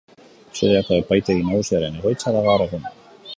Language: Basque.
Suediako Epaitegi Nagusiaren egoitza da gaur egun.